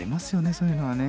そういうのはね。